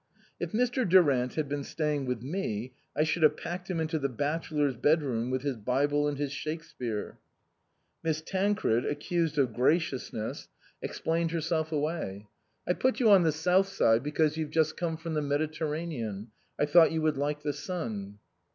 " If Mr. Durant had been staying with me, I should have packed him into the bachelor's bed room with his Bible and his Shakespeare." Miss Tancred, accused of graciousness, ex T.S.Q. 17 C THE COSMOPOLITAN plained herself away. " I put you on the south side because you've just come from the Mediter ranean ; I thought you would like the sun."